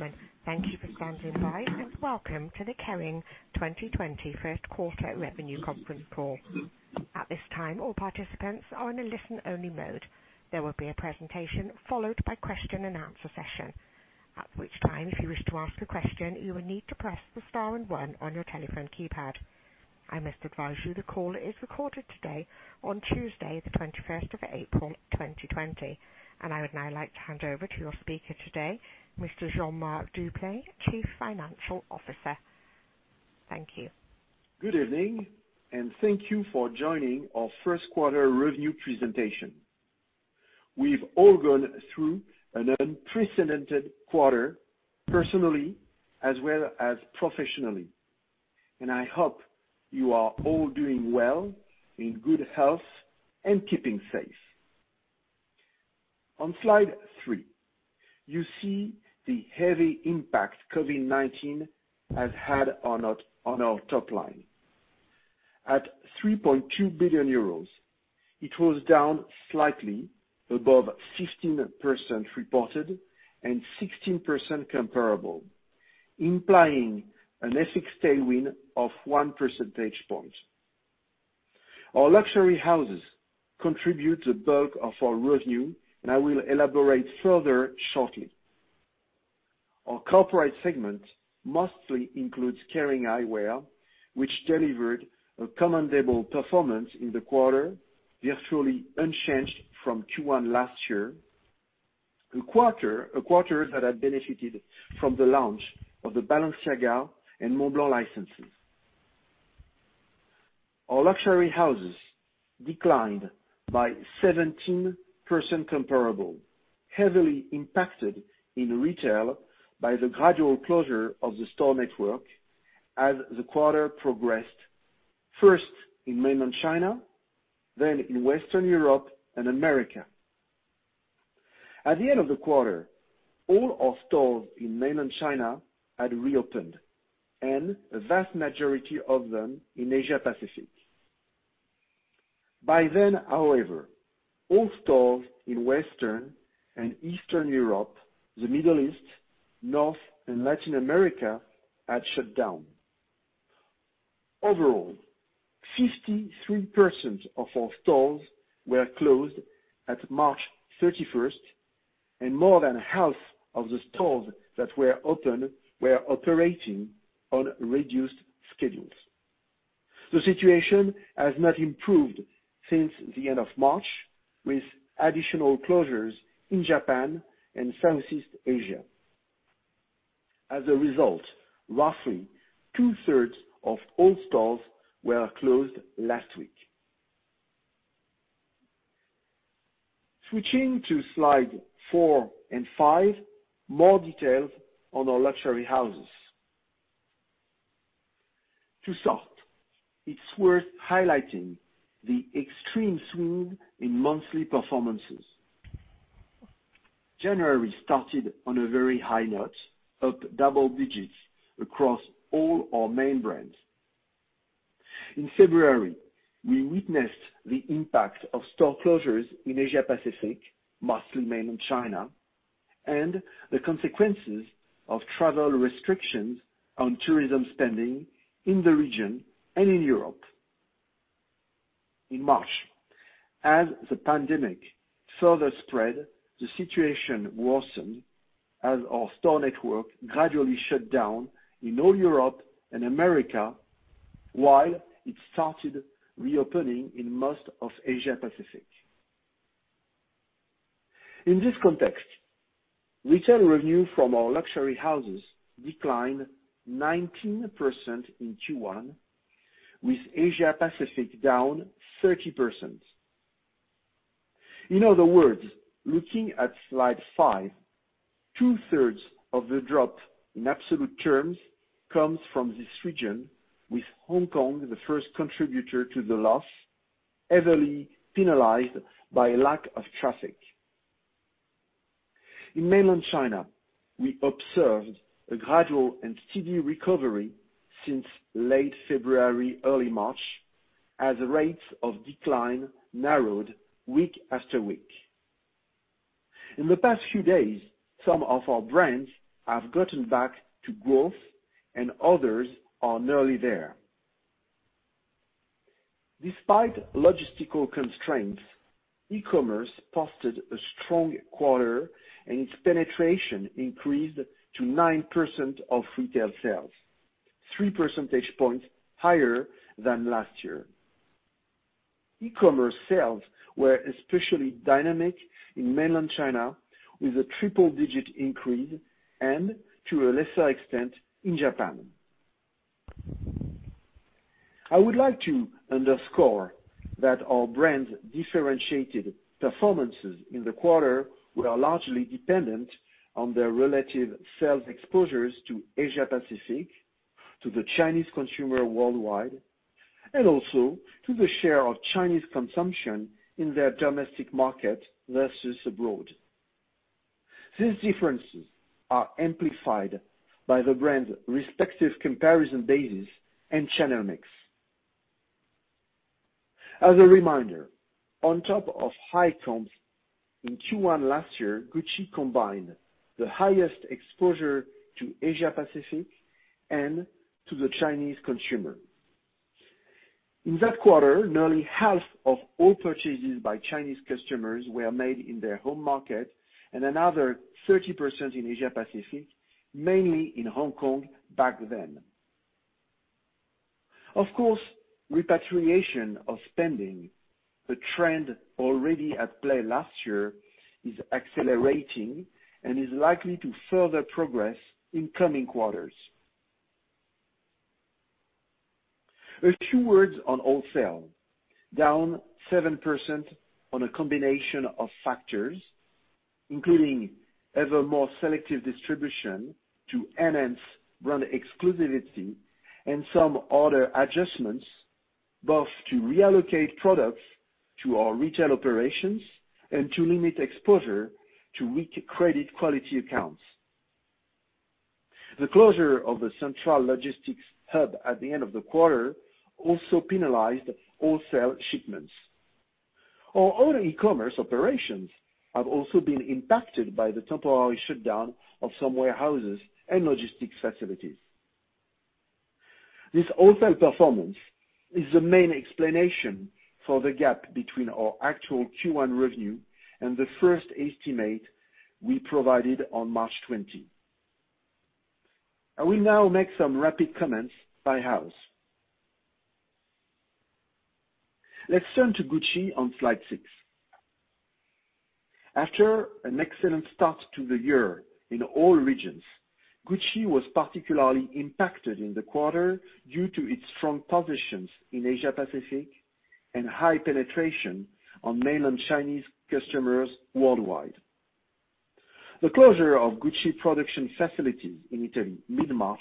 Ladies and gentlemen, thank you for standing by, and welcome to the Kering 2020 first quarter revenue conference call. At this time, all participants are on a listen-only mode. There will be a presentation followed by question and answer session. At which time, if you wish to ask a question, you will need to press star and one on your telephone keypad. I must advise you, the call is recorded today, on Tuesday the 21st of April 2020. I would now like to hand over to your speaker today, Mr. Jean-Marc Duplaix, chief financial officer. Thank you. Good evening, and thank you for joining our first quarter revenue presentation. We've all gone through an unprecedented quarter, personally as well as professionally. I hope you are all doing well, in good health, and keeping safe. On slide three, you see the heavy impact COVID-19 has had on our top line. At 3.2 billion euros, it was down slightly above 15% reported and 16% comparable, implying an FX tailwind of one percentage point. Our luxury houses contribute the bulk of our revenue, and I will elaborate further shortly. Our Corporate segment mostly includes Kering Eyewear, which delivered a commendable performance in the quarter, virtually unchanged from Q1 last year. A quarter that had benefited from the launch of the Balenciaga and Montblanc licenses. Our luxury houses declined by 17% comparable, heavily impacted in retail by the gradual closure of the store network as the quarter progressed, first in mainland China, then in Western Europe and America. At the end of the quarter, all our stores in mainland China had reopened, and a vast majority of them in Asia-Pacific. By then, however, all stores in Western and Eastern Europe, the Middle East, North and Latin America had shut down. Overall, 63% of our stores were closed at March 31st, and more than half of the stores that were open were operating on reduced schedules. The situation has not improved since the end of March, with additional closures in Japan and Southeast Asia. As a result, roughly two-thirds of all stores were closed last week. Switching to slide four and five, more details on our luxury houses. To start, it's worth highlighting the extreme swing in monthly performances. January started on a very high note, up double digits across all our main brands. In February, we witnessed the impact of store closures in Asia-Pacific, mostly mainland China, and the consequences of travel restrictions on tourism spending in the region and in Europe. In March, as the pandemic further spread, the situation worsened as our store network gradually shut down in all Europe and America while it started reopening in most of Asia-Pacific. In this context, retail revenue from our luxury houses declined 19% in Q1, with Asia-Pacific down 30%. In other words, looking at slide five, two-thirds of the drop in absolute terms comes from this region, with Hong Kong the first contributor to the loss, heavily penalized by lack of traffic. In mainland China, we observed a gradual and steady recovery since late February, early March, as the rates of decline narrowed week after week. In the past few days, some of our brands have gotten back to growth and others are nearly there. Despite logistical constraints, e-commerce posted a strong quarter, and its penetration increased to 9% of retail sales,3 percentage points higher than last year. E-commerce sales were especially dynamic in mainland China, with a triple digit increase, and to a lesser extent in Japan. I would like to underscore that our brand differentiated performances in the quarter were largely dependent on their relative sales exposures to Asia-Pacific, to the Chinese consumer worldwide, and also to the share of Chinese consumption in their domestic market versus abroad. These differences are amplified by the brand's respective comparison bases and channel mix. As a reminder, on top of high comps in Q1 last year, Gucci combined the highest exposure to Asia Pacific and to the Chinese consumer. In that quarter, nearly half of all purchases by Chinese customers were made in their home market, and another 30% in Asia Pacific, mainly in Hong Kong back then. Of course, repatriation of spending, a trend already at play last year, is accelerating and is likely to further progress in coming quarters. A few words on wholesale, down 7% on a combination of factors, including ever more selective distribution to enhance brand exclusivity and some order adjustments, both to reallocate products to our retail operations and to limit exposure to weak credit quality accounts. The closure of the central logistics hub at the end of the quarter also penalized wholesale shipments. Our own e-commerce operations have also been impacted by the temporary shutdown of some warehouses and logistics facilities. This wholesale performance is the main explanation for the gap between our actual Q1 revenue and the first estimate we provided on March 20. I will now make some rapid comments by house. Let's turn to Gucci on slide six. After an excellent start to the year in all regions, Gucci was particularly impacted in the quarter due to its strong positions in Asia Pacific and high penetration on mainland Chinese customers worldwide. The closure of Gucci production facilities in Italy mid-March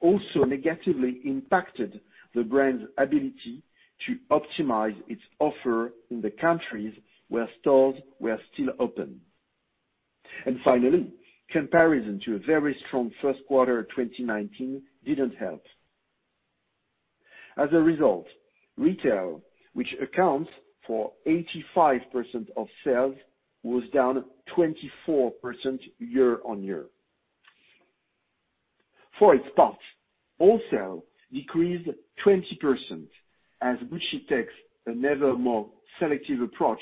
also negatively impacted the brand's ability to optimize its offer in the countries where stores were still open. Finally, comparison to a very strong first quarter 2019 didn't help. As a result, retail, which accounts for 85% of sales, was down 24% year-on-year. For its part, wholesale decreased 20% as Gucci takes an ever more selective approach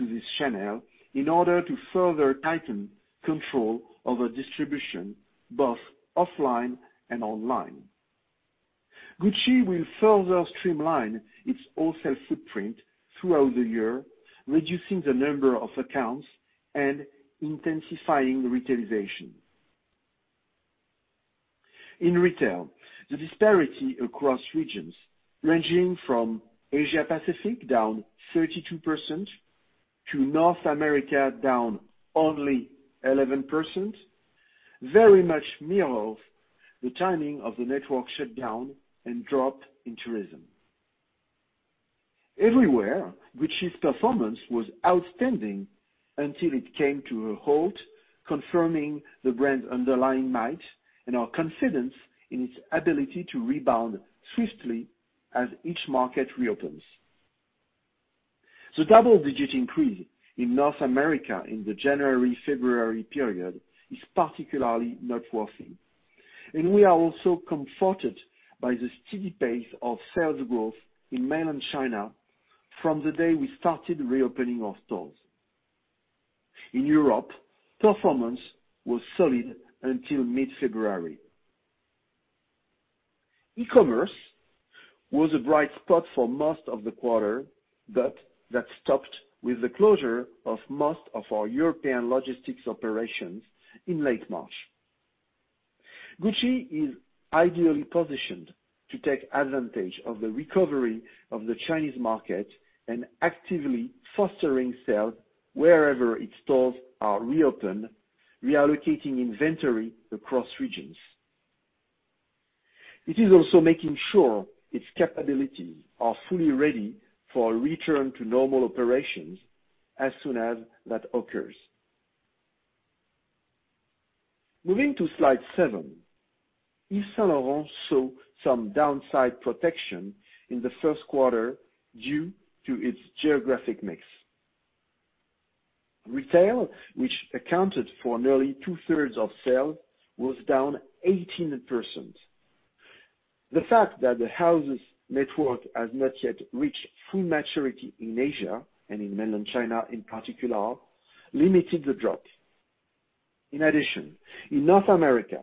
to this channel in order to further tighten control over distribution, both offline and online. Gucci will further streamline its wholesale footprint throughout the year, reducing the number of accounts and intensifying retailization. In retail, the disparity across regions, ranging from Asia Pacific, down 32%, to North America, down only 11%, very much mirrors the timing of the network shutdown and drop in tourism. Everywhere, Gucci's performance was outstanding until it came to a halt, confirming the brand's underlying might and our confidence in its ability to rebound swiftly as each market reopens. The double-digit increase in North America in the January-February period is particularly noteworthy, and we are also comforted by the steady pace of sales growth in mainland China from the day we started reopening our stores. In Europe, performance was solid until mid February. E-commerce was a bright spot for most of the quarter, that stopped with the closure of most of our European logistics operations in late March. Gucci is ideally positioned to take advantage of the recovery of the Chinese market and actively fostering sales wherever its stores are reopened, reallocating inventory across regions. It is also making sure its capabilities are fully ready for a return to normal operations as soon as that occurs. Moving to slide seven, Yves Saint Laurent saw some downside protection in the first quarter due to its geographic mix. Retail, which accounted for nearly two-thirds of sales, was down 18%. The fact that the house's network has not yet reached full maturity in Asia and in mainland China in particular, limited the drop. In addition, in North America,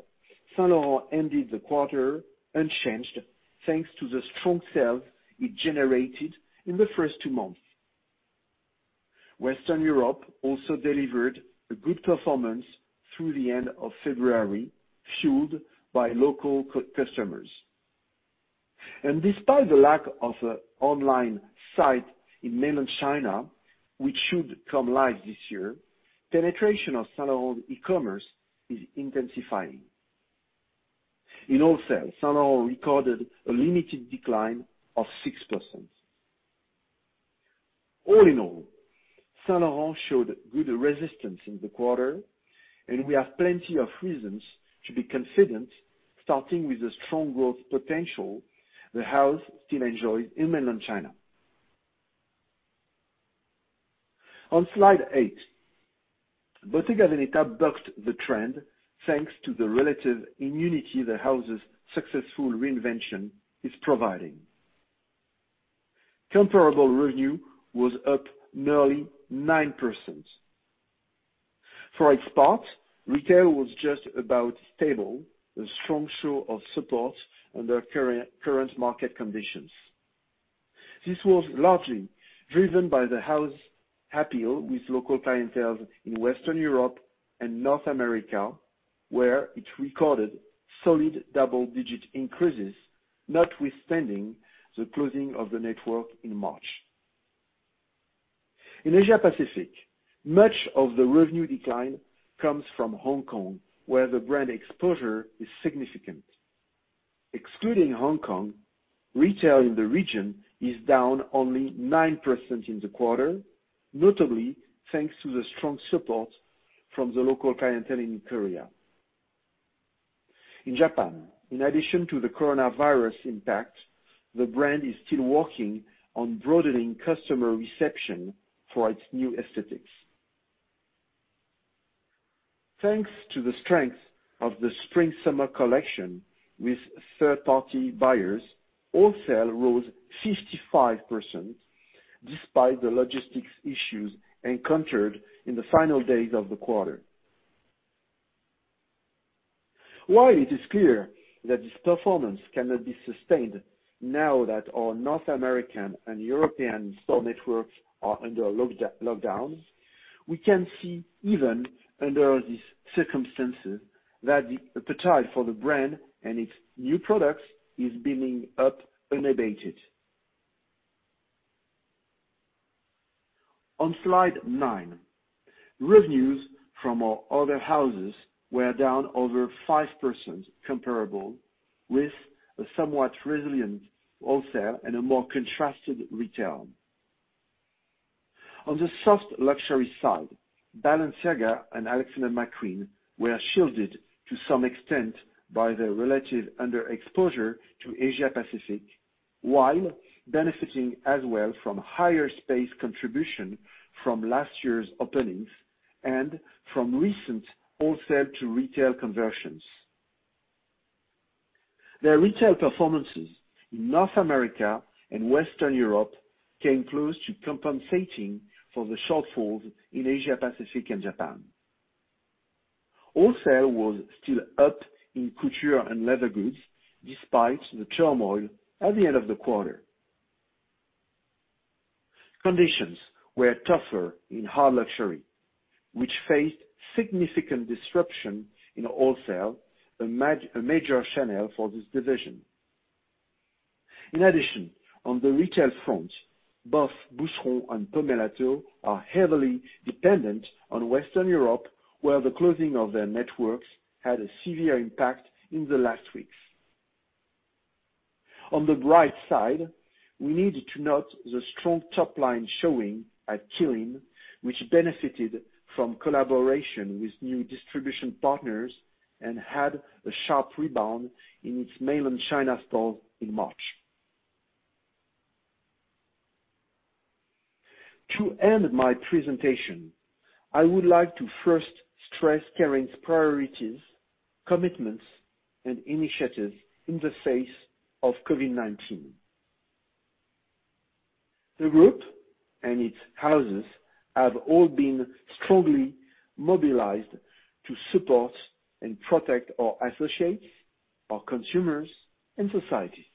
Saint Laurent ended the quarter unchanged, thanks to the strong sales it generated in the first two months. Western Europe also delivered a good performance through the end of February, fueled by local customers. Despite the lack of an online site in mainland China, which should come live this year, penetration of Saint Laurent e-commerce is intensifying. In wholesale, Saint Laurent recorded a limited decline of 6%. All in all, Saint Laurent showed good resistance in the quarter, and we have plenty of reasons to be confident, starting with the strong growth potential the house still enjoys in mainland China. On slide eight, Bottega Veneta bucked the trend, thanks to the relative immunity the house's successful reinvention is providing. Comparable revenue was up nearly 9%. For its part, retail was just about stable, a strong show of support under current market conditions. This was largely driven by the house appeal with local clienteles in Western Europe and North America, where it recorded solid double-digit increases, notwithstanding the closing of the network in March. In Asia Pacific, much of the revenue decline comes from Hong Kong, where the brand exposure is significant. Excluding Hong Kong, retail in the region is down only 9% in the quarter, notably thanks to the strong support from the local clientele in Korea. In Japan, in addition to the COVID-19 impact, the brand is still working on broadening customer reception for its new aesthetics. Thanks to the strength of the spring/summer collection with third-party buyers, wholesale rose 55%, despite the logistics issues encountered in the final days of the quarter. While it is clear that this performance cannot be sustained now that our North American and European store networks are under lockdown, we can see even under these circumstances that the appetite for the brand and its new products is building up unabated. On slide nine, revenues from our other houses were down over 5% comparable with a somewhat resilient wholesale and a more contrasted retail. On the soft luxury side, Balenciaga and Alexander McQueen were shielded to some extent by their relative underexposure to Asia-Pacific, while benefiting as well from higher space contribution from last year's openings and from recent wholesale-to-retail conversions. Their retail performances in North America and Western Europe came close to compensating for the shortfall in Asia-Pacific and Japan. Wholesale was still up in couture and leather goods, despite the turmoil at the end of the quarter. Conditions were tougher in hard luxury, which faced significant disruption in wholesale, a major channel for this division. In addition, on the retail front, both Boucheron and Pomellato are heavily dependent on Western Europe, where the closing of their networks had a severe impact in the last weeks. On the bright side, we need to note the strong top-line showing at Qeelin, which benefited from collaboration with new distribution partners and had a sharp rebound in its mainland China stores in March. To end my presentation, I would like to first stress Kering's priorities, commitments, and initiatives in the face of COVID-19. The group and its houses have all been strongly mobilized to support and protect our associates, our consumers, and society.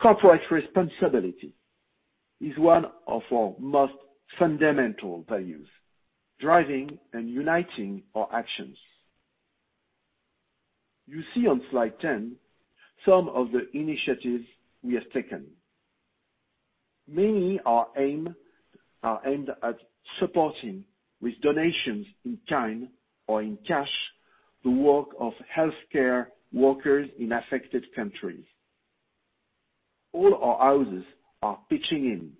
Corporate responsibility is one of our most fundamental values, driving and uniting our actions. You see on slide 10 some of the initiatives we have taken. Many are aimed at supporting with donations in kind or in cash the work of healthcare workers in affected countries. All our houses are pitching in,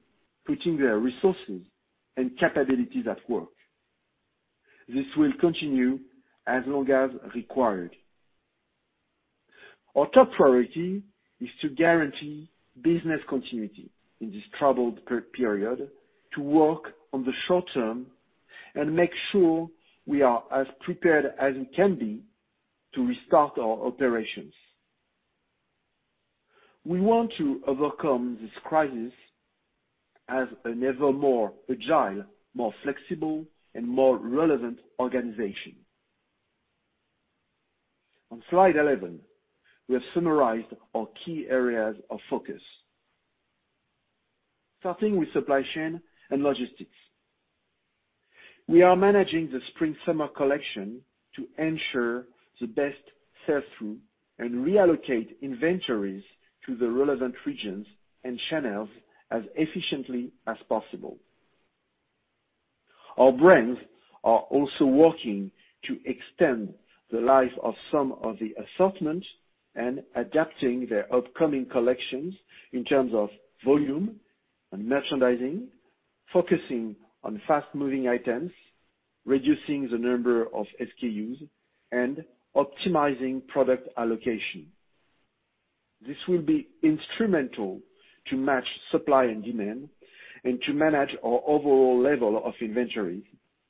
putting their resources and capabilities at work. This will continue as long as required. Our top priority is to guarantee business continuity in this troubled period, to work on the short term, and make sure we are as prepared as we can be to restart our operations. We want to overcome this crisis as an ever more agile, more flexible, and more relevant organization. On slide 11, we have summarized our key areas of focus. Starting with supply chain and logistics. We are managing the spring-summer collection to ensure the best sell-through and reallocate inventories to the relevant regions and channels as efficiently as possible. Our brands are also working to extend the life of some of the assortment and adapting their upcoming collections in terms of volume and merchandising, focusing on fast-moving items, reducing the number of SKUs, and optimizing product allocation. This will be instrumental to match supply and demand, and to manage our overall level of inventory,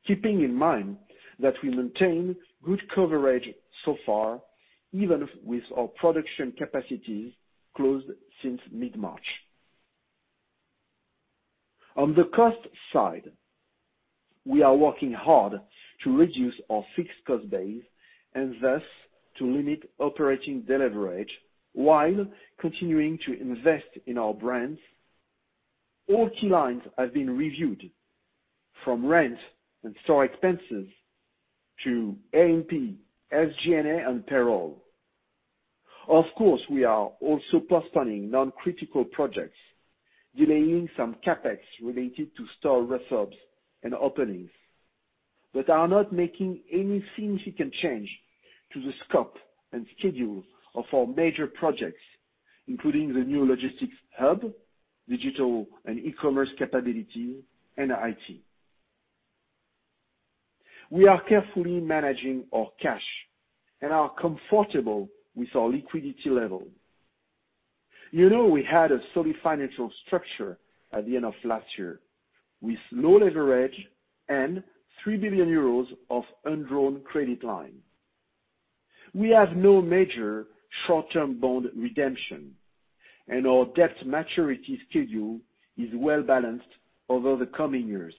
keeping in mind that we maintain good coverage so far, even with our production capacities closed since mid-March. On the cost side, we are working hard to reduce our fixed cost base, and thus, to limit operating leverage while continuing to invest in our brands. All key lines have been reviewed, from rent and store expenses to A&P, SG&A, and payroll. Of course, we are also postponing non-critical projects, delaying some CapEx related to store refurbs and openings. We are not making any significant change to the scope and schedule of our major projects, including the new logistics hub, digital and e-commerce capability, and IT. We are carefully managing our cash and are comfortable with our liquidity level. You know we had a solid financial structure at the end of last year, with low leverage and 3 billion euros of undrawn credit line. We have no major short-term bond redemption. Our debt maturity schedule is well-balanced over the coming years.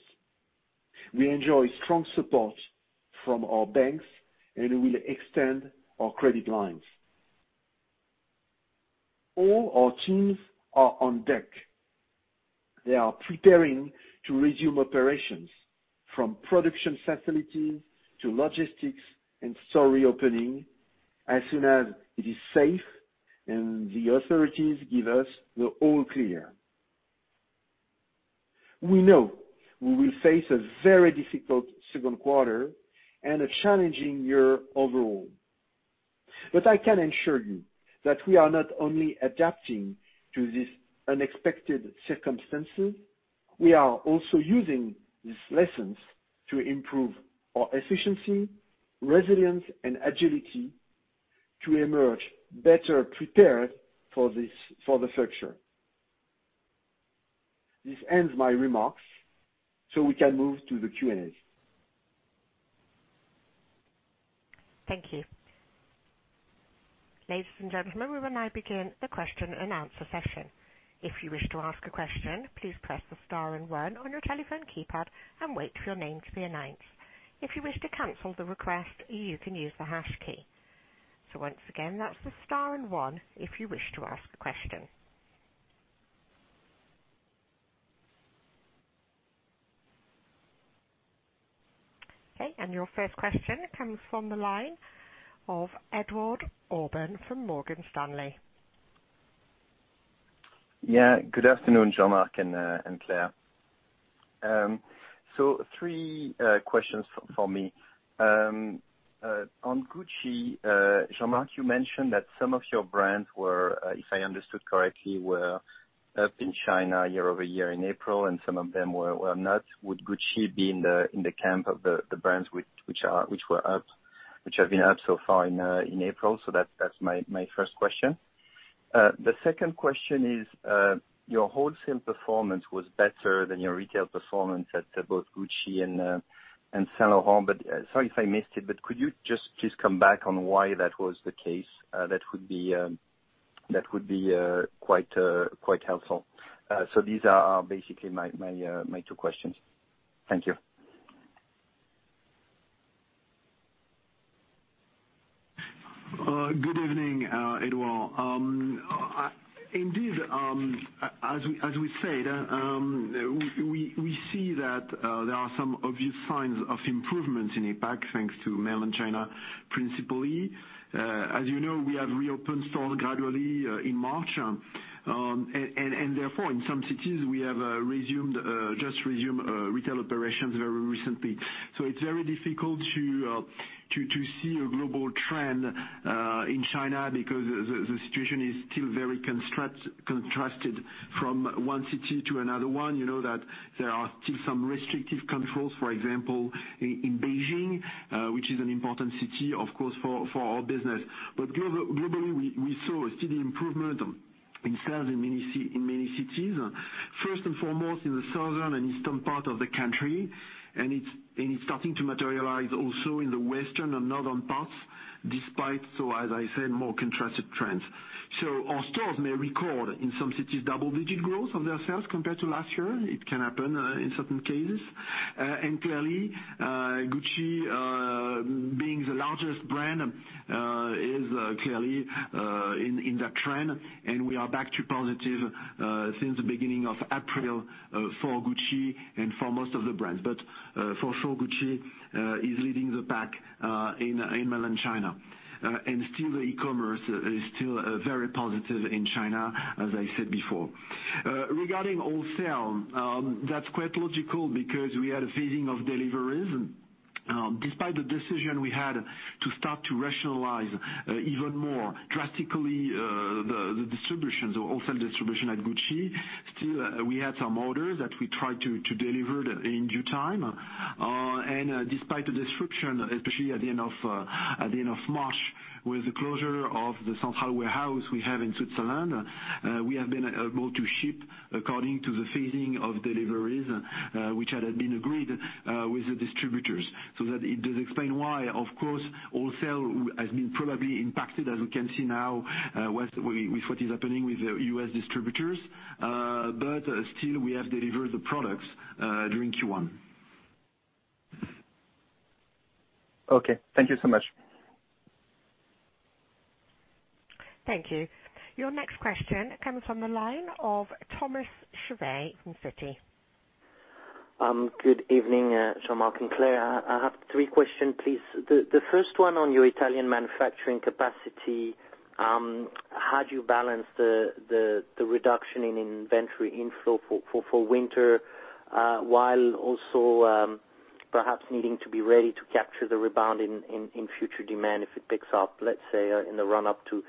We enjoy strong support from our banks and will extend our credit lines. All our teams are on deck. They are preparing to resume operations from production facilities to logistics and store reopening as soon as it is safe and the authorities give us the all clear. We know we will face a very difficult second quarter and a challenging year overall. I can assure you that we are not only adapting to these unexpected circumstances, we are also using these lessons to improve our efficiency, resilience, and agility to emerge better prepared for the future. This ends my remarks. We can move to the Q&A. Thank you. Ladies and gentlemen, we will now begin the question and answer session. If you wish to ask a question, please press the star and one on your telephone keypad and wait for your name to be announced. If you wish to cancel the request, you can use the hash key. Once again, that's the star and one if you wish to ask a question. Your first question comes from the line of Edouard Aubin from Morgan Stanley. Yeah. Good afternoon, Jean-Marc and Claire. Three questions from me. On Gucci, Jean-Marc, you mentioned that some of your brands, if I understood correctly, were up in China year-over-year in April, and some of them were not. Would Gucci be in the camp of the brands which have been up so far in April? That's my first question. The second question is, your wholesale performance was better than your retail performance at both Gucci and Saint Laurent. Sorry if I missed it, could you just come back on why that was the case? That would be quite helpful. These are basically my two questions. Thank you. Good evening, Edouard. Indeed, as we said, we see that there are some obvious signs of improvements in APAC, thanks to Mainland China, principally. As you know, we have reopened stores gradually in March, and therefore, in some cities, we have just resumed retail operations very recently. It's very difficult to see a global trend in China because the situation is still very contrasted from one city to another one. You know that there are still some restrictive controls, for example, in Beijing, which is an important city, of course, for our business. Globally, we saw a steady improvement in sales in many cities. First and foremost, in the southern and eastern part of the country, and it's starting to materialize also in the western and northern parts, despite, as I said, more contrasted trends. Our stores may record in some cities double-digit growth of their sales compared to last year. It can happen in certain cases. Clearly, Gucci, being the largest brand, is clearly in that trend, and we are back to positive since the beginning of April for Gucci and for most of the brands. For sure, Gucci is leading the pack in Mainland China. E-commerce is still very positive in China, as I said before. Regarding wholesale, that's quite logical because we had a phasing of deliveries. Despite the decision, we had to start to rationalize even more drastically, the distributions or wholesale distribution at Gucci. Still, we had some orders that we tried to deliver in due time. Despite the disruption, especially at the end of March with the closure of the central warehouse we have in Switzerland, we have been able to ship according to the phasing of deliveries, which had been agreed with the distributors. That it does explain why, of course, wholesale has been probably impacted, as we can see now, with what is happening with the U.S. distributors. Still we have delivered the products, during Q1. Okay. Thank you so much. Thank you. Your next question comes from the line of Thomas Chauvet from Citi. Good evening, Jean-Marc and Claire. I have three questions, please. The first one on your Italian manufacturing capacity, how do you balance the reduction in inventory inflow for winter, while also perhaps needing to be ready to capture the rebound in future demand if it picks up, let's say, in the run-up to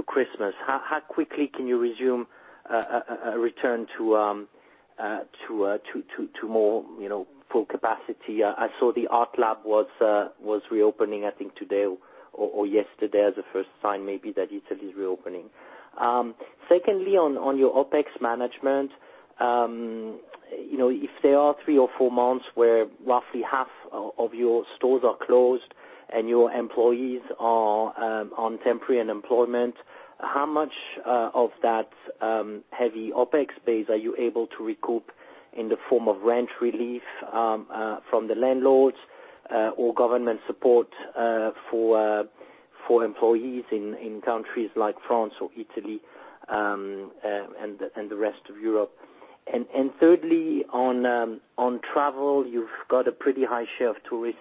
Christmas? How quickly can you resume a return to more full capacity? I saw the ArtLab was reopening, I think today or yesterday as a first sign, maybe that Italy's reopening. Secondly, on your OpEx management, if there are three or four months where roughly half of your stores are closed and your employees are on temporary unemployment, how much of that heavy OpEx base are you able to recoup in the form of rent relief from the landlords, or government support for employees in countries like France or Italy, and the rest of Europe? Thirdly, on travel, you've got a pretty high share of tourist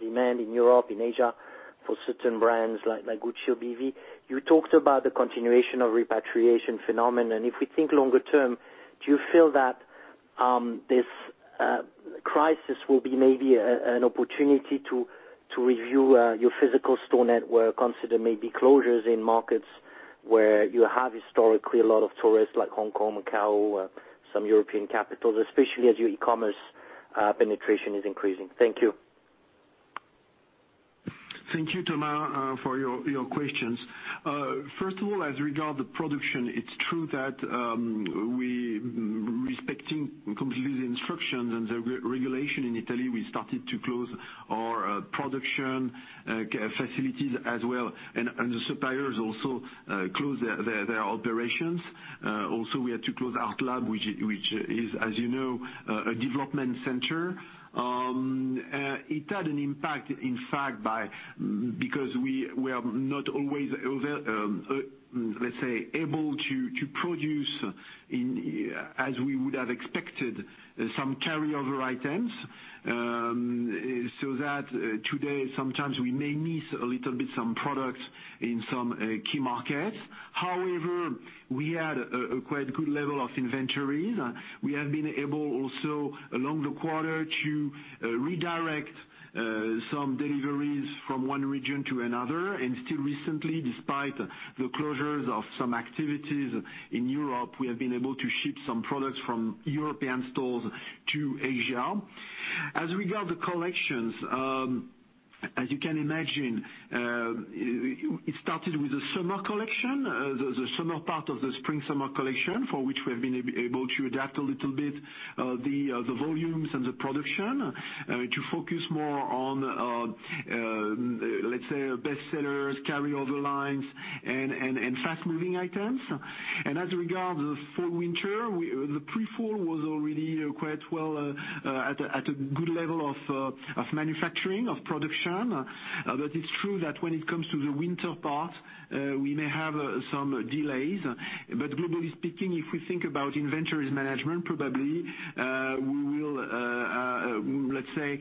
demand in Europe, in Asia, for certain brands like Gucci or BV. You talked about the continuation of repatriation phenomenon. If we think longer term, do you feel that this crisis will be maybe an opportunity to review your physical store network, consider maybe closures in markets where you have historically a lot of tourists like Hong Kong, Macau, some European capitals, especially as your e-commerce penetration is increasing? Thank you. Thank you, Thomas, for your questions. First of all, as regards the production, it's true that, we, respecting completely the instructions and the regulation in Italy, we started to close our production facilities as well, and the suppliers also closed their operations. We had to close Gucci ArtLab, which is, as you know, a development center. It had an impact, in fact, because we are not always, let's say, able to produce as we would have expected some carryover items. Today, sometimes we may miss a little bit some products in some key markets. We had a quite good level of inventories. We have been able also along the quarter to redirect some deliveries from one region to another, and still recently, despite the closures of some activities in Europe, we have been able to ship some products from European stores to Asia. As regard the collections, as you can imagine, it started with the summer collection, the summer part of the spring-summer collection, for which we have been able to adapt a little bit, the volumes and the production to focus more on, let's say bestsellers, carryover lines and fast moving items. As regard the fall-winter, the pre-fall was already quite well at a good level of manufacturing, of production. It's true that when it comes to the winter part, we may have some delays. Globally speaking, if we think about inventories management, probably, we will, let's say,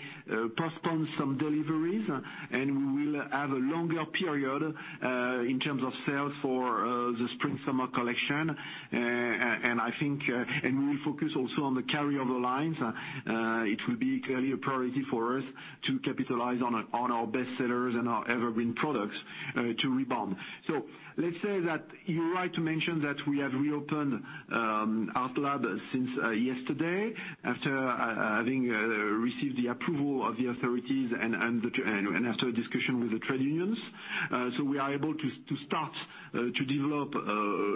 postpone some deliveries, and we will have a longer period, in terms of sales for the spring-summer collection. We will focus also on the carryover lines. It will be clearly a priority for us to capitalize on our bestsellers and our evergreen products, to rebound. Let's say that you're right to mention that we have reopened Gucci ArtLab since yesterday after having received the approval of the authorities and after discussion with the trade unions. We are able to start to develop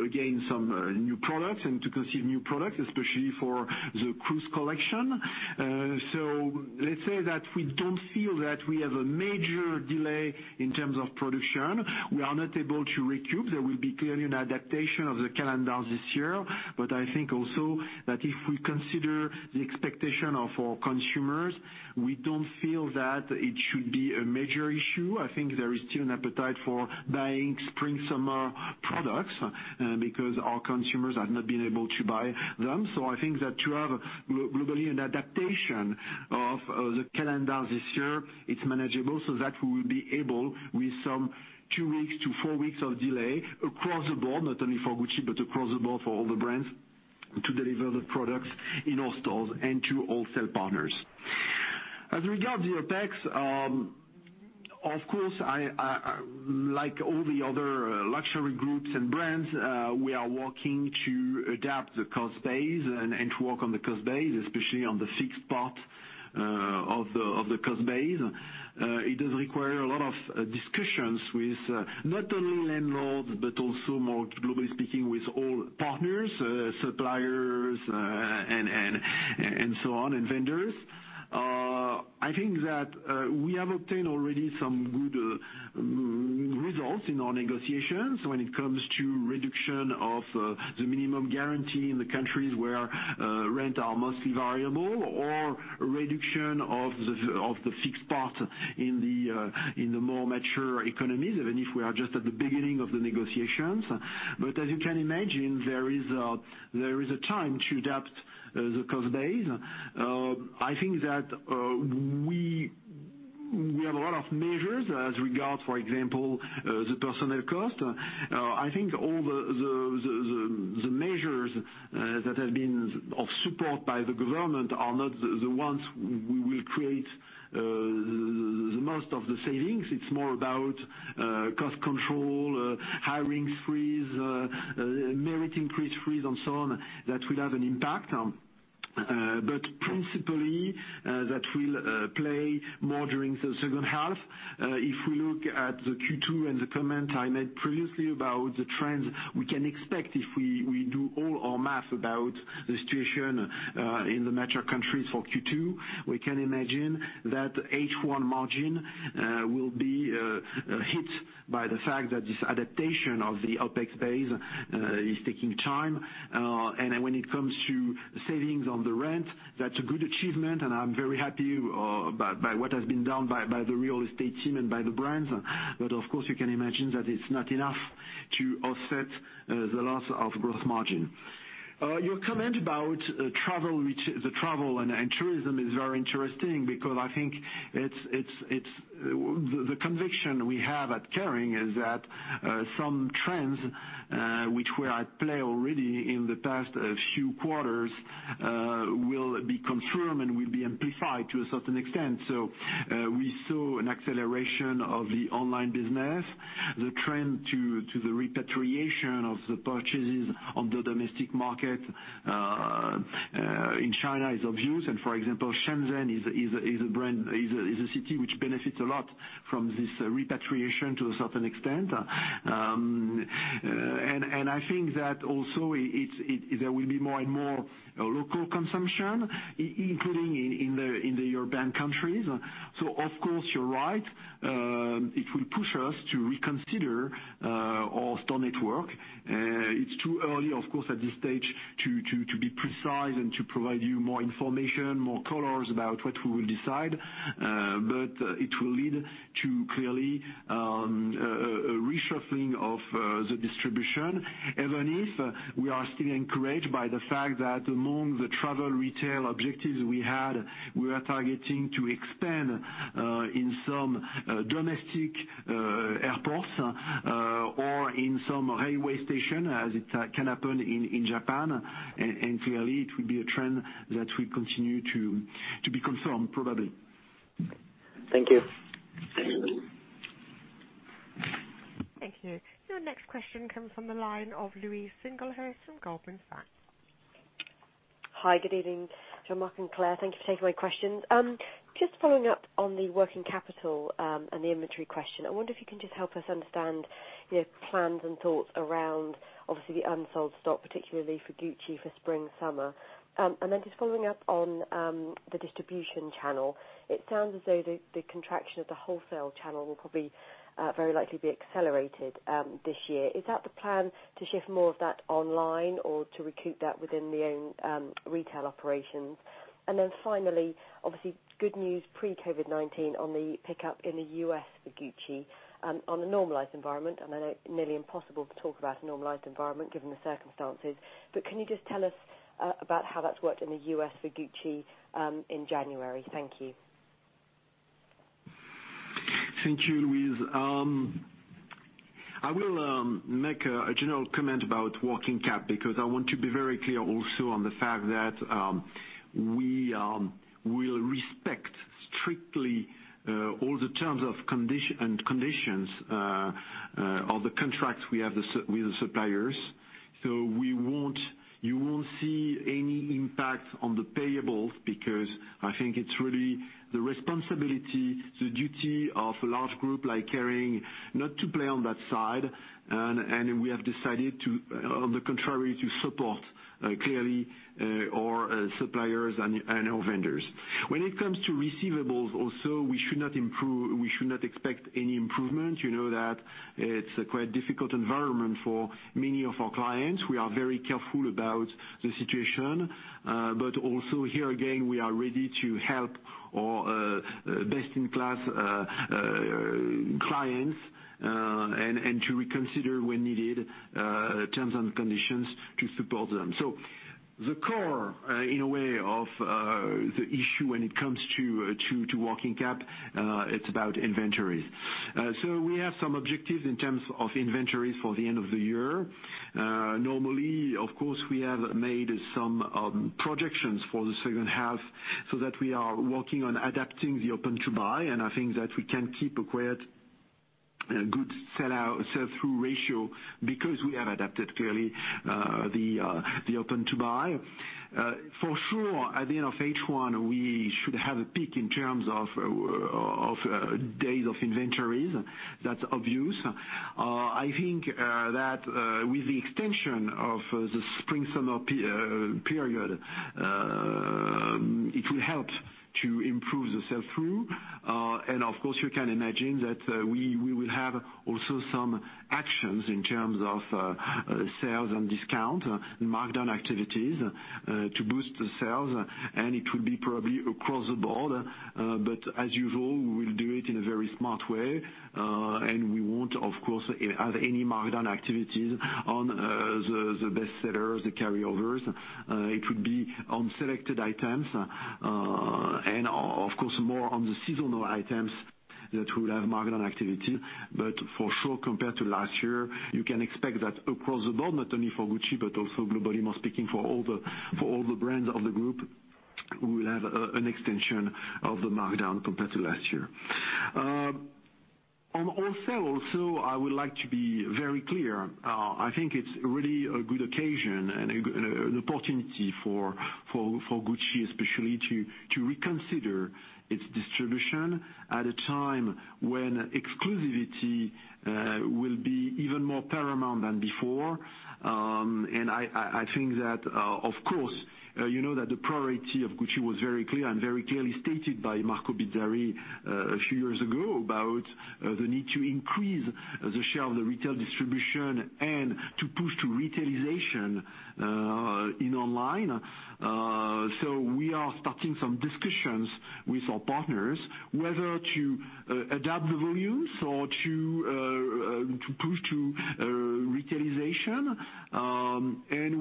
again some new products and to conceive new products, especially for the cruise collection. Let's say that we don't feel that we have a major delay in terms of production. We are not able to recoup. There will be clearly an adaptation of the calendars this year. I think also that if we consider the expectation of our consumers, we don't feel that it should be a major issue. I think there is still an appetite for buying spring-summer products, because our consumers have not been able to buy them. I think that to have globally an adaptation of the calendar this year, it's manageable, so that we will be able, with some two weeks to four weeks of delay across the board, not only for Gucci, but across the board for all the brands, to deliver the products in all stores and to wholesale partners. As regard the OpEx, of course, like all the other luxury groups and brands, we are working to adapt the cost base and to work on the cost base, especially on the fixed part of the cost base. It does require a lot of discussions with not only landlords, but also more globally speaking, with all partners, suppliers, and so on, and vendors. I think that we have obtained already some good results in our negotiations when it comes to reduction of the minimum guarantee in the countries where rent are mostly variable, or reduction of the fixed part in the more mature economies, even if we are just at the beginning of the negotiations. As you can imagine, there is a time to adapt the cost base. I think that we have a lot of measures as regards, for example, the personnel cost. I think all the measures that have been of support by the government are not the ones we will create the most of the savings. It's more about cost control, hirings freeze, merit increase freeze, and so on, that will have an impact. Principally, that will play more during the second half. If we look at the Q2 and the comment I made previously about the trends, we can expect if we do all our math about the situation in the mature countries for Q2, we can imagine that H1 margin will be hit by the fact that this adaptation of the OpEx base is taking time. When it comes to savings on the rent, that's a good achievement, and I'm very happy by what has been done by the real estate team and by the brands. Of course, you can imagine that it's not enough to offset the loss of growth margin. Your comment about the travel and tourism is very interesting because I think the conviction we have at Kering is that some trends which were at play already in the past few quarters, will be confirmed and will be amplified to a certain extent. We saw an acceleration of the online business. The trend to the repatriation of the purchases on the domestic market in China is obvious. For example, Shenzhen is a city which benefits a lot from this repatriation to a certain extent. I think that also, there will be more and more local consumption, including in the European countries. Of course, you're right. It will push us to reconsider our store network. It's too early, of course, at this stage to be precise and to provide you more information, more colors about what we will decide. It will lead to clearly a reshuffling of the distribution, even if we are still encouraged by the fact that among the travel retail objectives we had, we are targeting to expand, in some domestic airports, or in some railway station as it can happen in Japan. Clearly it will be a trend that will continue to be confirmed, probably. Thank you. Thank you. Your next question comes from the line of Louise Singlehurst from Goldman Sachs. Hi, good evening, Jean-Marc and Claire. Thank you for taking my questions. Just following up on the working capital, and the inventory question. I wonder if you can just help us understand your plans and thoughts around, obviously, the unsold stock, particularly for Gucci, for spring-summer. Just following up on the distribution channel. It sounds as though the contraction of the wholesale channel will probably very likely be accelerated this year. Is that the plan to shift more of that online or to recoup that within the own retail operations? Finally, obviously good news pre-COVID-19 on the pickup in the U.S. for Gucci on a normalized environment. I know nearly impossible to talk about a normalized environment given the circumstances, can you just tell us about how that's worked in the U.S. for Gucci, in January? Thank you. Thank you, Louise. I will make a general comment about working cap, because I want to be very clear also on the fact that we will respect strictly all the terms and conditions of the contracts we have with the suppliers. You won't see any impact on the payables because I think it's really the responsibility, the duty of a large group like Kering not to play on that side. We have decided to, on the contrary, to support clearly our suppliers and our vendors. When it comes to receivables also, we should not expect any improvement. You know that it's a quite difficult environment for many of our clients. We are very careful about the situation. Also here again, we are ready to help our best-in-class clients, and to reconsider when needed, terms and conditions to support them. The core, in a way, of the issue when it comes to working cap, it's about inventories. We have some objectives in terms of inventories for the end of the year. Normally, of course, we have made some projections for the second half so that we are working on adapting the open to buy, and I think that we can keep a quite good sell-through ratio because we have adapted clearly the open to buy. For sure at the end of H1, we should have a peak in terms of days of inventories. That's obvious. I think that with the extension of the spring-summer period, it will help to improve the sell-through. Of course, you can imagine that we will have also some actions in terms of sales and discount, markdown activities to boost the sales, and it will be probably across the board. As usual, we will do it in a very smart way, and we won't, of course, have any markdown activities on the bestsellers, the carryovers. It will be on selected items. Of course, more on the seasonal items that will have markdown activity. For sure, compared to last year, you can expect that across the board, not only for Gucci but also globally more speaking for all the brands of the group, we will have an extension of the markdown compared to last year. On off sale also, I would like to be very clear. I think it's really a good occasion and an opportunity for Gucci especially to reconsider its distribution at a time when exclusivity will be even more paramount than before. I think that, of course, you know that the priority of Gucci was very clear and very clearly stated by Marco Bizzarri a few years ago about the need to increase the share of the retail distribution and to push to retailization in online. We are starting some discussions with our partners whether to adapt the volumes or to push to retailization.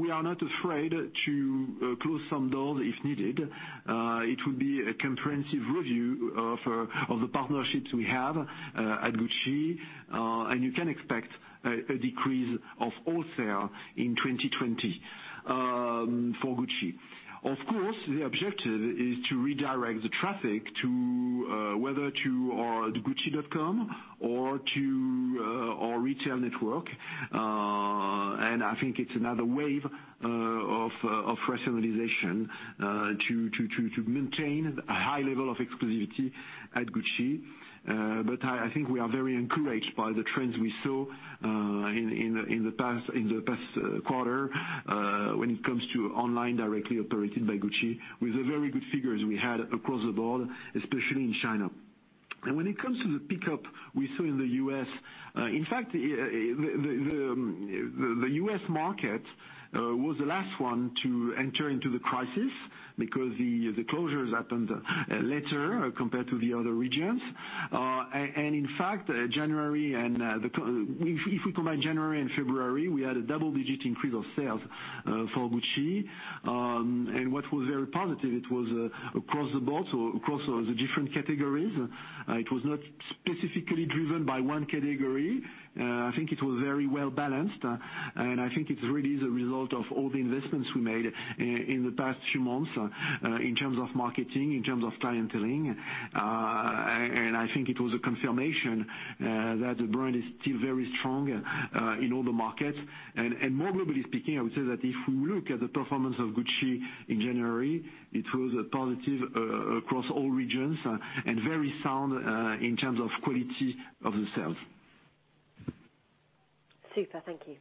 We are not afraid to close some doors if needed. It will be a comprehensive review of the partnerships we have at Gucci, and you can expect a decrease of off sale in 2020 for Gucci. Of course, the objective is to redirect the traffic whether to our gucci.com or our retail network. I think it's another wave of rationalization to maintain a high level of exclusivity at Gucci. I think we are very encouraged by the trends we saw in the past quarter when it comes to online directly operated by Gucci with the very good figures we had across the board, especially in China. When it comes to the pickup we saw in the U.S., in fact, the U.S. market was the last one to enter into the crisis because the closures happened later compared to the other regions. In fact, if we combine January and February, we had a double-digit increase of sales for Gucci. What was very positive, it was across the board, across the different categories. It was not specifically driven by one category. I think it was very well-balanced, and I think it's really the result of all the investments we made in the past few months in terms of marketing, in terms of clienteling. I think it was a confirmation that the brand is still very strong in all the markets. More globally speaking, I would say that if we look at the performance of Gucci in January, it was positive across all regions and very sound in terms of quality of the sales. Super. Thank you.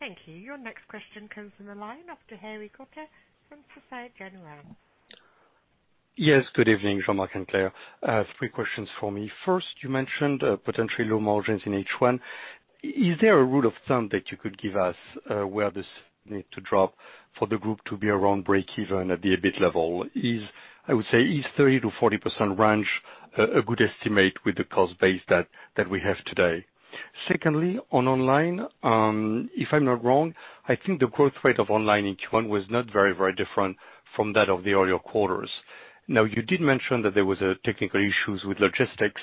Thank you. Your next question comes from the line of Thierry Cota from Societe Generale. Yes. Good evening, Jean-Marc and Claire. Three questions for me. First, you mentioned potentially low margins in H1. Is there a rule of thumb that you could give us where this need to drop for the group to be around breakeven at the EBIT level? I would say, is 30%-40% range a good estimate with the cost base that we have today? Secondly, on online, if I'm not wrong, I think the growth rate of online in Q1 was not very different from that of the earlier quarters. Now, you did mention that there was technical issues with logistics.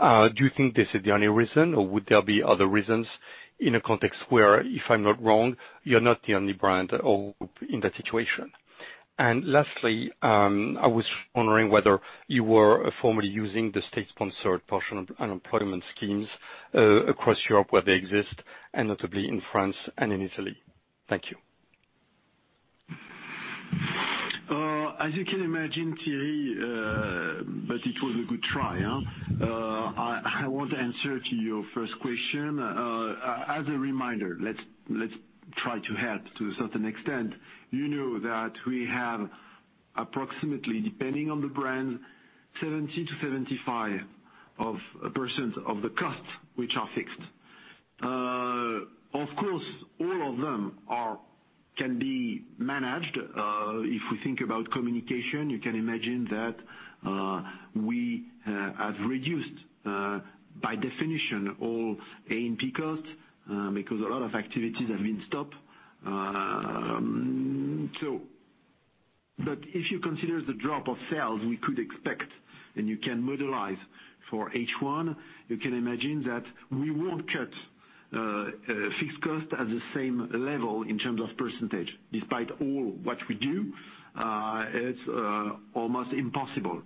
Do you think this is the only reason, or would there be other reasons in a context where, if I'm not wrong, you're not the only brand or group in that situation? Lastly, I was wondering whether you were formally using the state-sponsored partial unemployment schemes across Europe where they exist, and notably in France and in Italy. Thank you. As you can imagine, Thierry, it was a good try. I want to answer to your first question. As a reminder, let's try to help to a certain extent. You know that we have approximately, depending on the brand, 70%-75% of the costs which are fixed. Of course, all of them can be managed. If we think about communication, you can imagine that we have reduced, by definition, all A&P costs because a lot of activities have been stopped. If you consider the drop of sales we could expect, and you can modelize for H1, you can imagine that we won't cut fixed cost at the same level in terms of percentage, despite all what we do, it's almost impossible.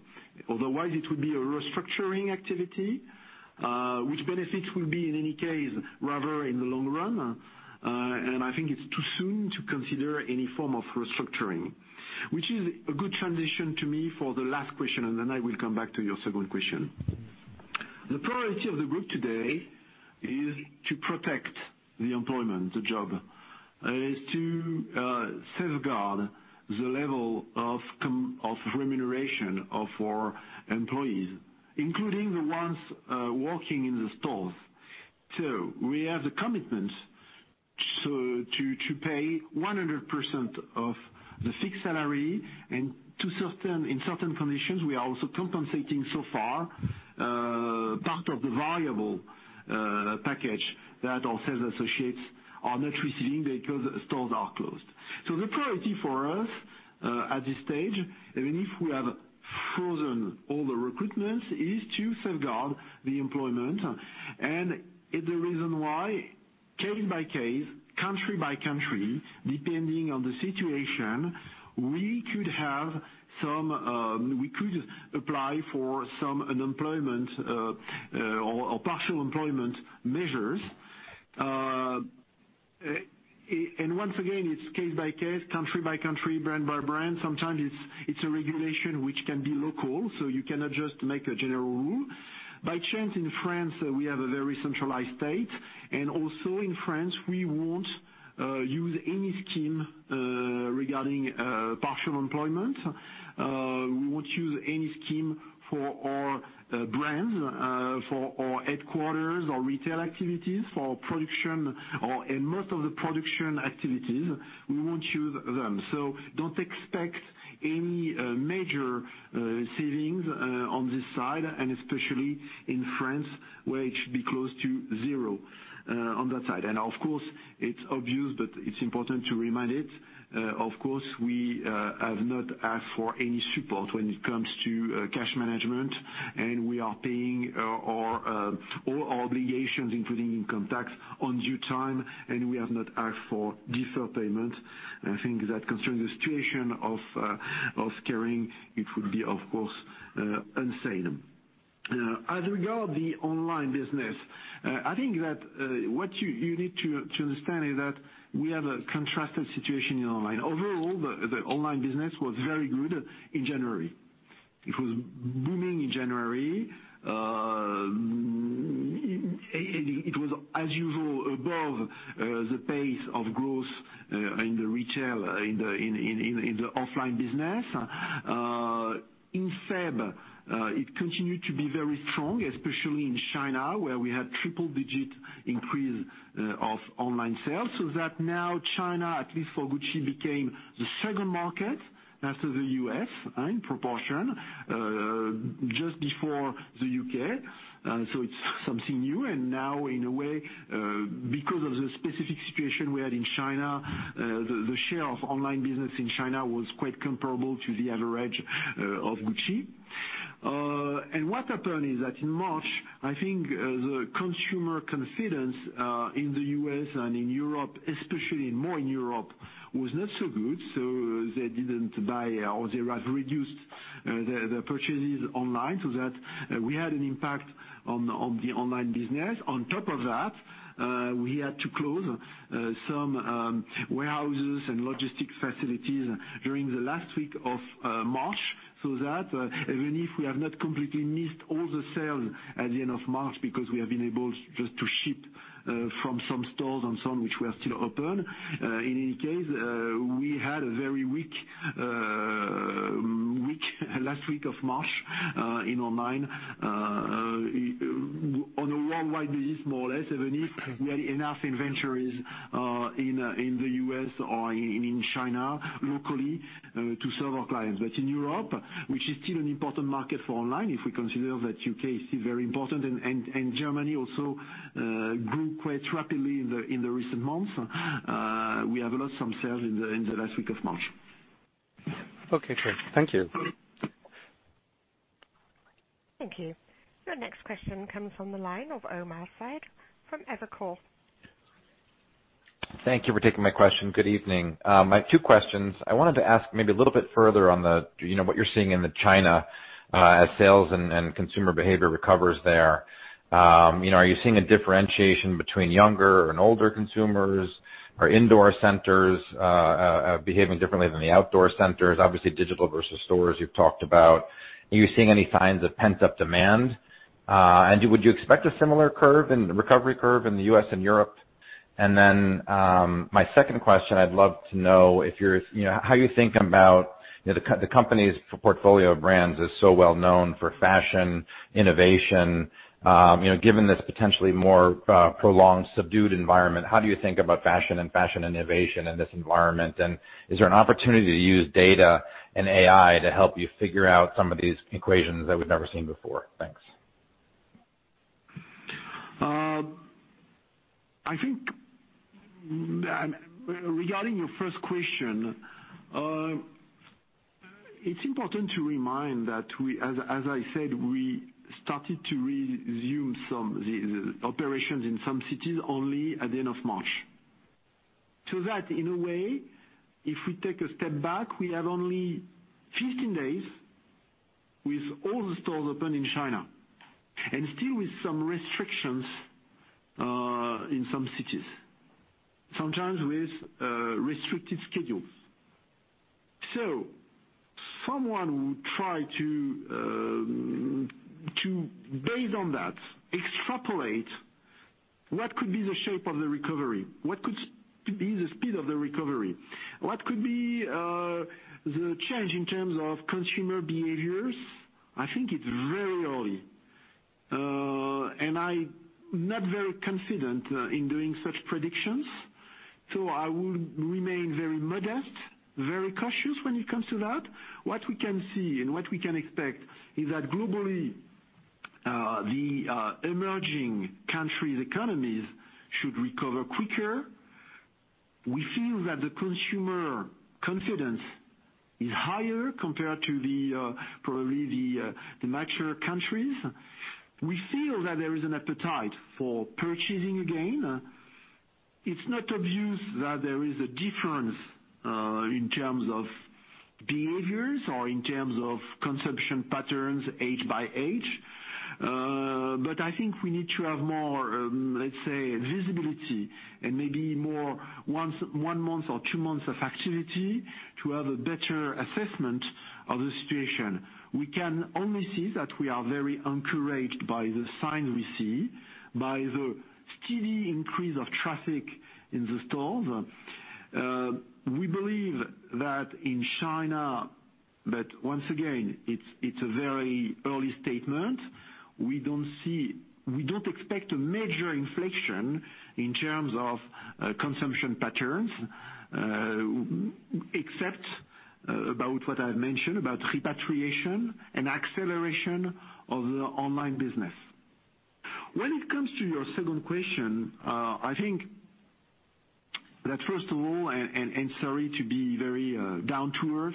Otherwise, it would be a restructuring activity, which benefits will be, in any case, rather in the long run. I think it's too soon to consider any form of restructuring, which is a good transition to me for the last question, and then I will come back to your second question. The priority of the group today is to protect the employment, the job. It is to safeguard the level of remuneration of our employees, including the ones working in the stores. Two, we have the commitment to pay 100% of the fixed salary and in certain conditions, we are also compensating so far part of the variable package that our sales associates are not receiving because stores are closed. The priority for us, at this stage, even if we have frozen all the recruitments, is to safeguard the employment. The reason why, case by case, country by country, depending on the situation, we could apply for some unemployment or partial employment measures. Once again, it's case by case, country by country, brand by brand. Sometimes it's a regulation which can be local, so you cannot just make a general rule. By chance, in France, we have a very centralized state. Also in France, we won't use any scheme regarding partial employment. We won't use any scheme for our brands, for our headquarters, our retail activities, for production or, in most of the production activities, we won't use them. Don't expect any major savings on this side, and especially in France, where it should be close to zero on that side. Of course, it's obvious, but it's important to remind it, of course, we have not asked for any support when it comes to cash management, and we are paying all our obligations, including income tax, on due time, and we have not asked for deferred payment. I think that concerning the situation of Kering, it would be, of course, insane. As regards the online business, I think that what you need to understand is that we have a contrasted situation in online. Overall, the online business was very good in January. It was booming in January. It was, as usual, above the pace of growth in the retail, in the offline business. In February, it continued to be very strong, especially in China, where we had triple-digit increase of online sales, so that now China, at least for Gucci, became the second market after the U.S. in proportion, just before the U.K. It's something new. Now, in a way, because of the specific situation we had in China, the share of online business in China was quite comparable to the average of Gucci. What happened is that in March, I think the consumer confidence in the U.S. and in Europe, especially more in Europe, was not so good, they didn't buy or they rather reduced their purchases online, we had an impact on the online business. On top of that, we had to close some warehouses and logistics facilities during the last week of March, even if we have not completely missed all the sales at the end of March because we have been able just to ship from some stores and some which were still open. In any case, we had a very weak last week of March in online on a worldwide basis, more or less, even if we had enough inventories in the U.S. or in China locally to serve our clients. In Europe, which is still an important market for online, if we consider that U.K. is still very important and Germany also grew quite rapidly in the recent months, we have lost some sales in the last week of March. Okay, great. Thank you. Thank you. Your next question comes from the line of Omar Saad from Evercore. Thank you for taking my question. Good evening. I have two questions. I wanted to ask maybe a little bit further on what you're seeing in the China sales and consumer behavior recovers there. Are you seeing a differentiation between younger and older consumers? Are indoor centers behaving differently than the outdoor centers? Obviously, digital versus stores you've talked about. Are you seeing any signs of pent-up demand? Would you expect a similar recovery curve in the U.S. and Europe? Then, my second question, I'd love to know how you think about the company's portfolio of brands is so well known for fashion, innovation. Given this potentially more prolonged subdued environment, how do you think about fashion and fashion innovation in this environment? Is there an opportunity to use data and AI to help you figure out some of these equations that we've never seen before? Thanks. I think regarding your first question. It's important to remind that, as I said, we started to resume some operations in some cities only at the end of March. That, in a way, if we take a step back, we have only 15 days with all the stores open in China, and still with some restrictions in some cities, sometimes with restricted schedules. Someone would try to, based on that, extrapolate what could be the shape of the recovery, what could be the speed of the recovery, what could be the change in terms of consumer behaviors. I think it's very early. I'm not very confident in doing such predictions. I would remain very modest, very cautious when it comes to that. What we can see and what we can expect is that globally, the emerging countries' economies should recover quicker. We feel that the consumer confidence is higher compared to probably the mature countries. We feel that there is an appetite for purchasing again. It's not obvious that there is a difference in terms of behaviors or in terms of consumption patterns age by age. I think we need to have more, let's say, visibility and maybe more one month or two months of activity to have a better assessment of the situation. We can only see that we are very encouraged by the signs we see, by the steady increase of traffic in the stores. We believe that in China, but once again, it's a very early statement, we don't expect a major inflection in terms of consumption patterns except about what I've mentioned about repatriation and acceleration of the online business. When it comes to your second question, I think that first of all, sorry to be very down to earth,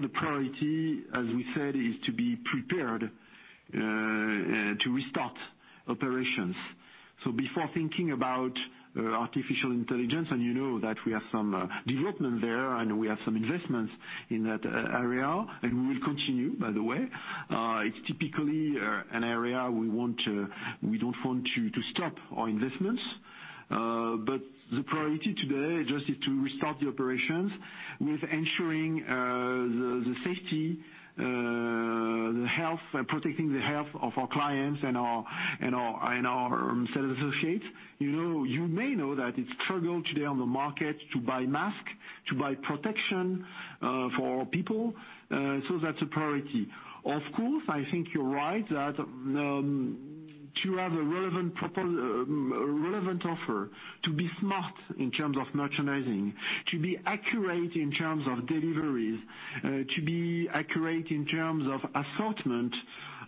the priority, as we said, is to be prepared to restart operations. Before thinking about artificial intelligence, you know that we have some development there, we have some investments in that area, we will continue, by the way. It's typically an area we don't want to stop our investments. The priority today just is to restart the operations with ensuring the safety, the health, and protecting the health of our clients and our sales associates. You may know that it's a struggle today on the market to buy masks, to buy protection for our people. That's a priority. Of course, I think you're right that to have a relevant offer, to be smart in terms of merchandising, to be accurate in terms of deliveries, to be accurate in terms of assortment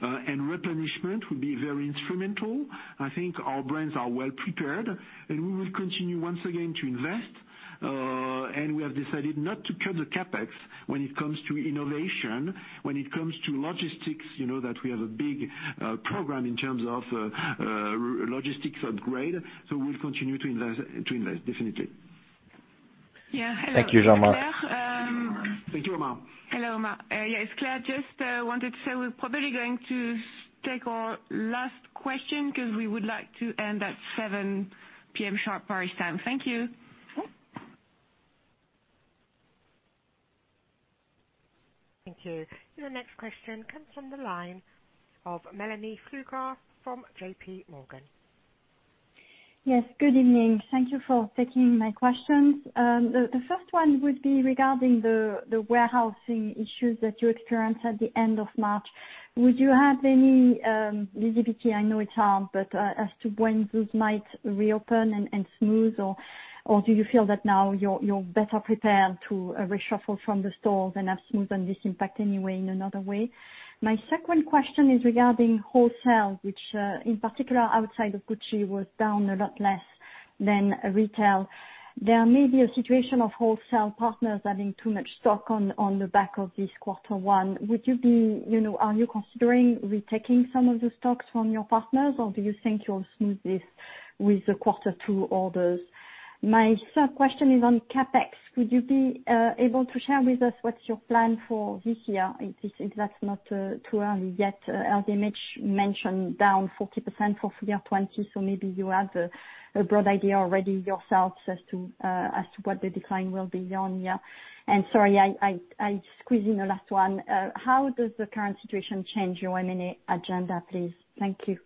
and replenishment would be very instrumental. I think our brands are well prepared, and we will continue once again to invest. We have decided not to cut the CapEx when it comes to innovation, when it comes to logistics, you know that we have a big program in terms of logistics upgrade. We'll continue to invest, definitely. Yeah. Hello. Thank you, Jean-Marc. Thank you, Omar. Hello, Omar. Yes, Claire, just wanted to say we're probably going to take our last question because we would like to end at 7:00 P.M. sharp Paris time. Thank you. Thank you. The next question comes from the line of Mélanie Flouquet from JPMorgan. Yes, good evening. Thank you for taking my questions. The first one would be regarding the warehousing issues that you experienced at the end of March. Would you have any visibility, I know it's hard, but as to when those might reopen and smooth, or do you feel that now you're better prepared to reshuffle from the stores and have smoothed this impact anyway in another way? My second question is regarding wholesale, which, in particular outside of Gucci, was down a lot less than retail. There may be a situation of wholesale partners having too much stock on the back of this quarter one. Are you considering retaking some of the stocks from your partners, or do you think you'll smooth this with the quarter two orders? My third question is on CapEx. Would you be able to share with us what's your plan for this year, if that's not too early yet? LVMH mentioned down 40% for full year 2020, so maybe you have a broad idea already yourselves as to what the decline will be on here. Sorry, I squeeze in a last one. How does the current situation change your M&A agenda, please? Thank you.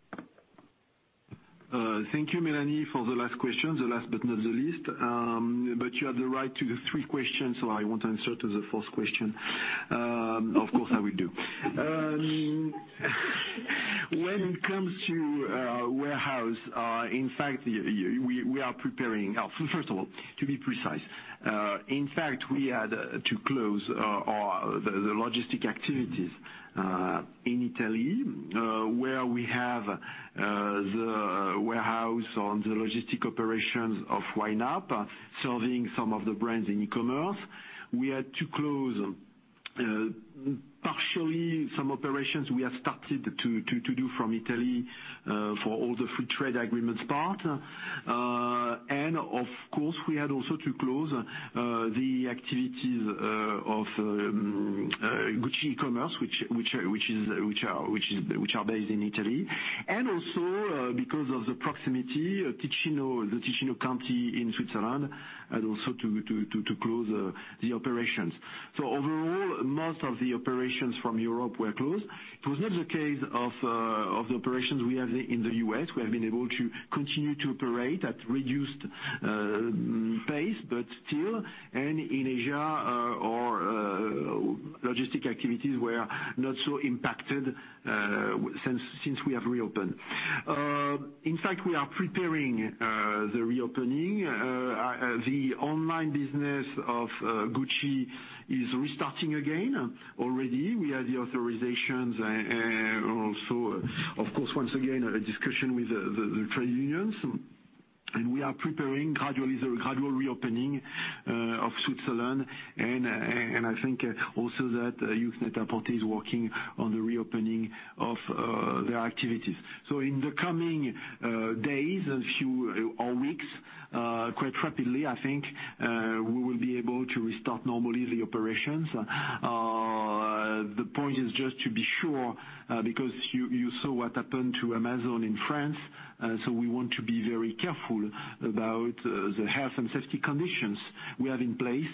Thank you, Mélanie, for the last question, the last but not the least. You have the right to the three questions, so I won't answer to the fourth question. Of course, I will do. When it comes to warehouse, in fact, we are preparing First of all, to be precise, in fact, we had to close the logistic activities in Italy, where we have the warehouse on the logistic operations of Yoox Net-a-Porter, serving some of the brands in e-commerce. We had to close partially, some operations we have started to do from Italy for all the free trade agreements part. Of course, we had also to close the activities of Gucci e-commerce, which are based in Italy, and also because of the proximity, the Ticino County in Switzerland, had also to close the operations. Overall, most of the operations from Europe were closed. It was not the case of the operations we have in the U.S. We have been able to continue to operate at reduced pace, but still. In Asia, our logistic activities were not so impacted since we have reopened. In fact, we are preparing the reopening. The online business of Gucci is restarting again already. We have the authorizations and also, of course, once again, a discussion with the trade unions, and we are preparing the gradual reopening of Switzerland. I think also that Yoox Net-a-Porter is working on the reopening of their activities. In the coming days or weeks, quite rapidly, I think, we will be able to restart normally the operations. The point is just to be sure, because you saw what happened to Amazon in France, so we want to be very careful about the health and safety conditions we have in place.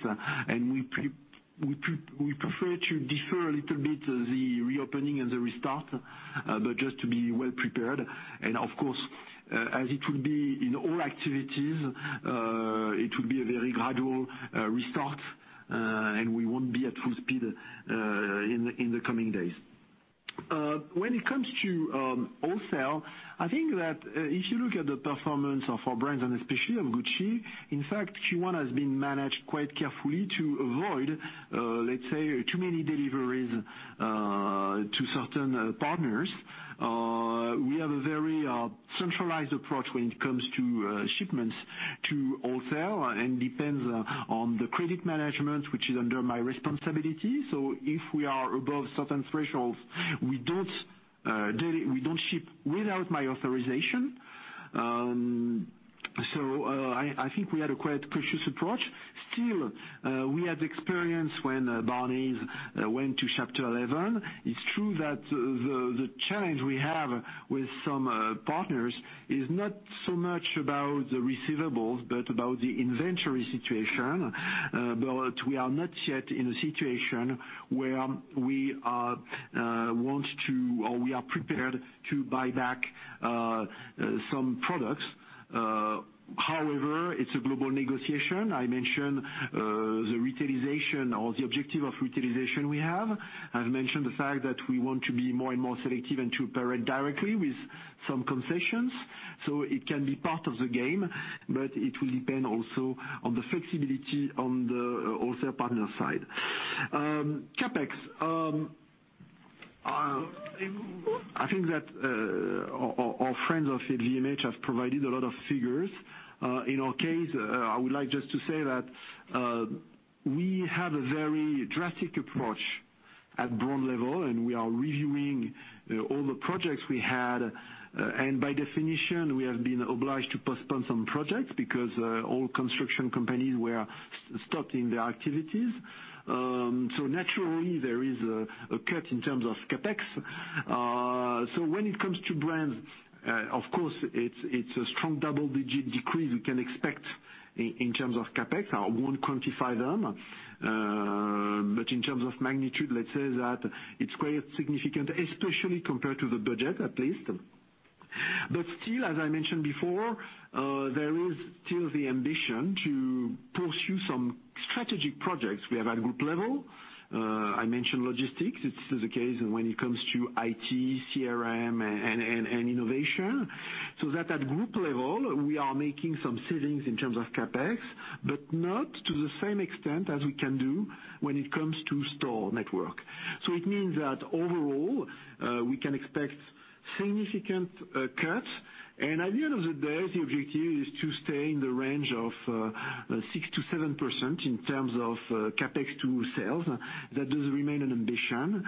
We prefer to defer a little bit the reopening and the restart, but just to be well-prepared. Of course, as it will be in all activities, it will be a very gradual restart, and we won't be at full speed in the coming days. When it comes to wholesale, I think that if you look at the performance of our brands and especially of Gucci, in fact, Q1 has been managed quite carefully to avoid, let's say, too many deliveries to certain partners. We have a very centralized approach when it comes to shipments to wholesale and depends on the credit management, which is under my responsibility. If we are above certain thresholds, we don't ship without my authorization. I think we had a quite cautious approach. Still, we had experience when Barneys went to Chapter 11. It's true that the challenge we have with some partners is not so much about the receivables but about the inventory situation. We are not yet in a situation where we want to or we are prepared to buy back some products. However, it's a global negotiation. I mentioned the retailization or the objective of retailization we have. I've mentioned the fact that we want to be more and more selective and to operate directly with some concessions, so it can be part of the game, but it will depend also on the flexibility on the wholesale partner side. CapEx. I think that our friends at LVMH have provided a lot of figures. In our case, I would like just to say that we have a very drastic approach at brand level, and we are reviewing all the projects we had. By definition, we have been obliged to postpone some projects because all construction companies were stopping their activities. Naturally, there is a cut in terms of CapEx. When it comes to brands, of course, it's a strong double-digit decrease we can expect in terms of CapEx. I won't quantify them. In terms of magnitude, let's say that it's quite significant, especially compared to the budget, at least. Still, as I mentioned before, there is still the ambition to pursue some strategic projects we have at group level. I mentioned logistics. It's the case when it comes to IT, CRM, and innovation. That at group level, we are making some savings in terms of CapEx, but not to the same extent as we can do when it comes to store network. It means that overall, we can expect significant cuts. At the end of the day, the objective is to stay in the range of 6%-7% in terms of CapEx to sales. That does remain an ambition.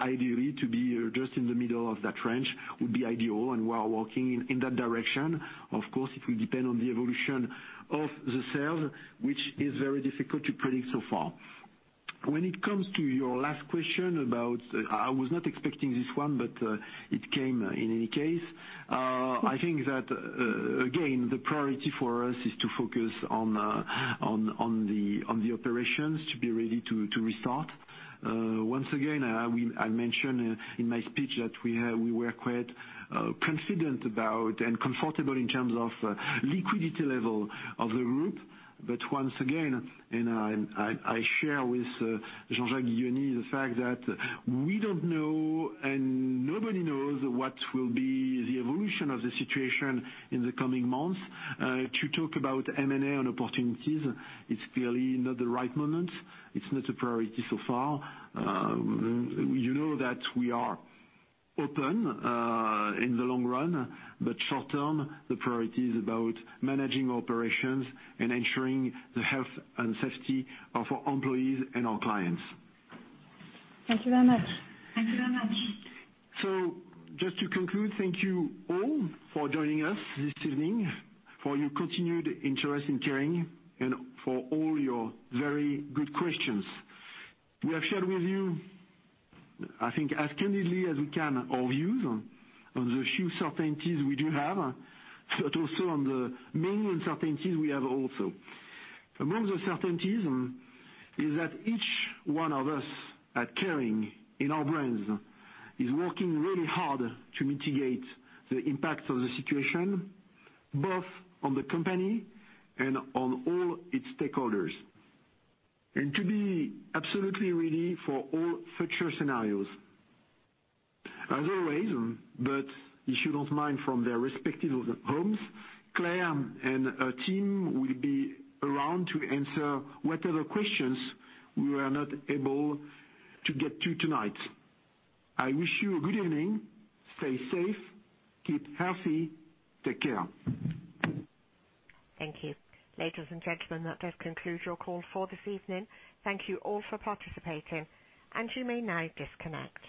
Ideally, to be just in the middle of that range would be ideal, and we are working in that direction. Of course, it will depend on the evolution of the sales, which is very difficult to predict so far. When it comes to your last question about, I was not expecting this one, but it came in any case. I think that, again, the priority for us is to focus on the operations to be ready to restart. Once again, I mentioned in my speech that we were quite confident about and comfortable in terms of liquidity level of the group. Once again, and I share with Jean-Jacques Guiony the fact that we don't know and nobody knows what will be the evolution of the situation in the coming months. To talk about M&A and opportunities, it's clearly not the right moment. It's not a priority so far. You know that we are open in the long run, but short term, the priority is about managing operations and ensuring the health and safety of our employees and our clients. Thank you very much. Just to conclude, thank you all for joining us this evening, for your continued interest in Kering, and for all your very good questions. We have shared with you, I think as candidly as we can, our views on the few certainties we do have, but also on the main uncertainties we have also. Among the certainties is that each one of us at Kering, in our brands, is working really hard to mitigate the impact of the situation, both on the company and on all its stakeholders, and to be absolutely ready for all future scenarios. As always, but if you don't mind, from their respective homes, Claire and her team will be around to answer whatever questions we were not able to get to tonight. I wish you a good evening. Stay safe, keep healthy, take care. Thank you. Ladies and gentlemen, that does conclude your call for this evening. Thank you all for participating. You may now disconnect.